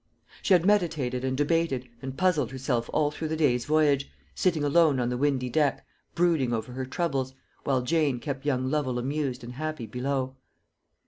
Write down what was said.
She had meditated and debated and puzzled herself all through the day's voyage, sitting alone on the windy deck, brooding over her troubles, while Jane kept young Lovel amused and happy below.